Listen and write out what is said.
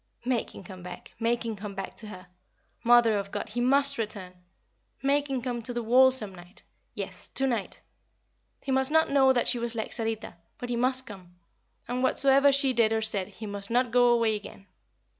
Make him come back make him come back to her. Mother of God, he must return! Make him come to the wall some night yes, to night. He must not know that she was like Sarita, but he must come; and whatsoever she did or said he must not go away again.